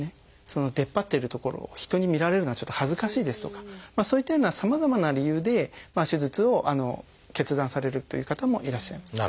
その出っ張ってる所を人に見られるのはちょっと恥ずかしいですとかそういったようなさまざまな理由で手術を決断されるという方もいらっしゃいます。